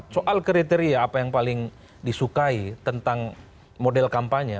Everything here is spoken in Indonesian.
soal kriteria apa yang paling disukai tentang model kampanye